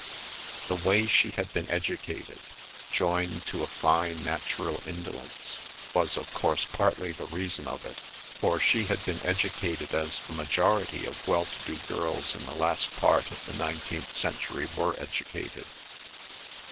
The way she had been educated, joined to a fine natural indolence, was of course partly the reason of it, for she had been educated as the majority of well to do girls in the last part of the nineteenth century were educated.